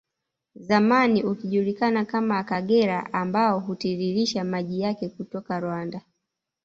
Zamani ukijulikana kama Akagera ambao hutiririsha maji yake kutoka Rwanda